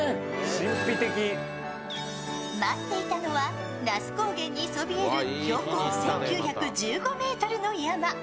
待っていたのは那須高原にそびえる標高１９１５ｍの山。